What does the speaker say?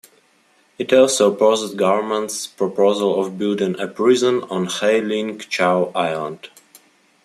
It also opposed government's proposal of building a prison on Hei Ling Chau Island.